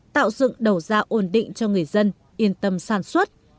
tạo dựng đầu ra ổn định cho người dân yên tâm sản xuất